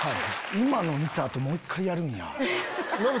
今の見た後もう一回やるんや。